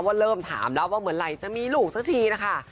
ว่าเริ่มถามแล้วว่าเมื่อไหร่จะมีลูกสักทีนะคะ